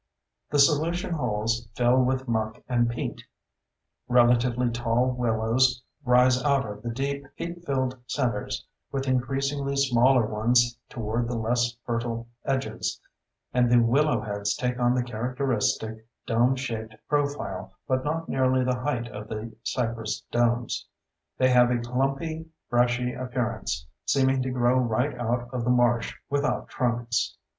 The solution holes fill with muck and peat; relatively tall willows rise out of the deep, peat filled centers, with increasingly smaller ones toward the less fertile edges, and the willow heads take on the characteristic dome shaped profile but not nearly the height of the cypress domes. They have a clumpy, brushy appearance, seeming to grow right out of the marsh without trunks.